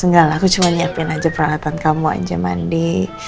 enggak lah aku cuma nyiapin aja peralatan kamu aja mandi